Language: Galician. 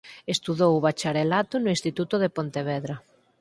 Estudou o bacharelato no Instituto de Pontevedra.